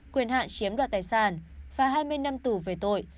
quyền hạn chiếm đoạt tài sản và hai mươi năm tù về tội